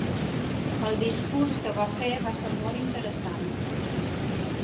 El discurs que va fer va ser molt interessant.